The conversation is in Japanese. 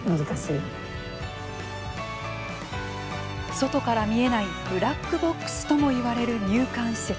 外から見えないブラックボックスともいわれる入管施設。